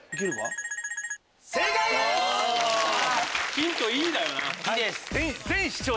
ヒント「い」だよな。